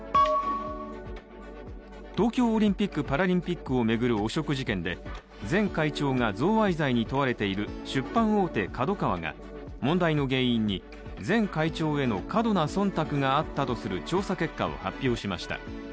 東京オリンピック・パラリンピックを巡る汚職事件で、前会長が贈賄罪に問われている出版大手・ＫＡＤＯＫＡＷＡが問題の原因に、前会長への過度なそんたくがあったとする調査結果を発表しました。